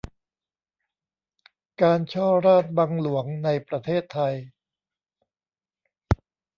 การฉ้อราษฎร์บังหลวงในประเทศไทย